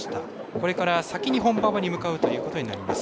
これから先に本馬場に向かうということになります。